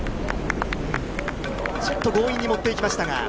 ちょっと強引に持っていきましたが。